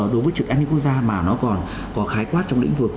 đối với trực án như quốc gia mà nó còn có khái quát trong lĩnh vực